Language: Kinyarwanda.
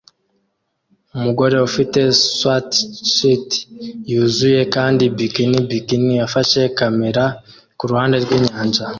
Umugore ufite swatshirt yuzuye kandi bikini bikini afashe kamera kuruhande rwinyanja